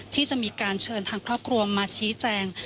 ที่จะมีการเชิญทางครอบครัวมาชี้แจง